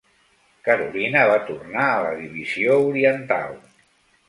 Carolina va tornar a la Divisió Oriental.